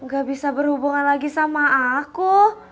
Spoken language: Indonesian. gak bisa berhubungan lagi sama aku